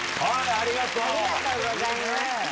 ありがとうございます。